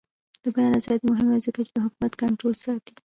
د بیان ازادي مهمه ده ځکه چې د حکومت کنټرول ساتي.